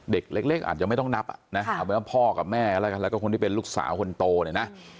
เด็กเล็กอาจจะไม่ต้องนับอ่ะนะเอาเป็นว่าพ่อกับแม่แล้วกันแล้วก็คนที่เป็นลูกสาวคนโตเนี่ยนะ